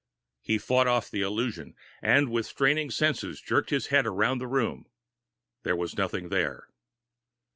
He fought off the illusion, and with straining senses jerked his head around the room. There was nothing there.